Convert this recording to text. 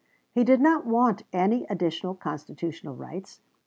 He did not want any additional constitutional rights.